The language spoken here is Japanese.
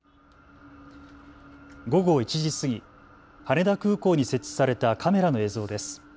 午後１時過ぎ、羽田空港に設置されたカメラの映像です。